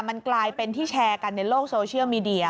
มันกลายเป็นที่แชร์กันในโลกโซเชียลมีเดีย